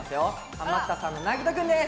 ハマったさんのなぎと君です！